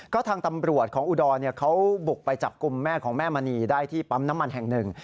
ก็ทางตำรวจของอุดรเขาบุกไปจับกลุ่มแม่ของแม่มณีได้ที่ปั๊มน้ำมันแห่งหนึ่ง